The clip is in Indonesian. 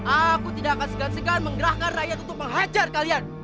aku tidak akan segan segan menggerakkan rakyat untuk menghajar kalian